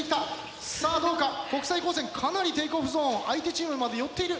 さあどうか国際高専かなりテイクオフゾーン相手チームまで寄っている。